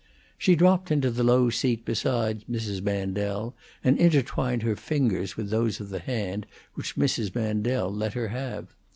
She dropped into the low seat beside Mrs. Mandel, and intertwined her fingers with those of the hand which Mrs. Mandel let her have.